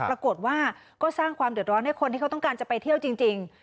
ปรากฏว่าก็สร้างความเดือดร้อนให้คนที่เขาต้องการจะไปเที่ยวจริง